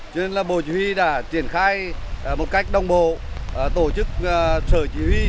cho nên là bộ chỉ huy đã triển khai một cách đồng bộ tổ chức sở chỉ huy